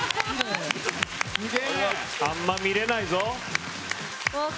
あんま見れないぞ。